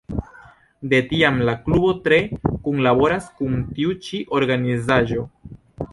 De tiam la klubo tre kunlaboras kun tiu ĉi organizaĵo.